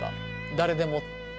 誰でも。